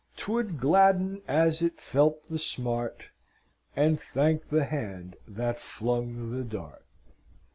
'Twould gladden as it felt the smart, And thank the hand that flung the dart!"